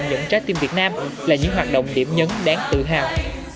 những trái tim việt nam là những hoạt động điểm nhấn đáng tự hào